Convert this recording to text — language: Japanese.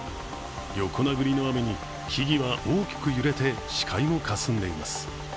横殴りの雨に木々は大きく揺れて視界もかすんでいます。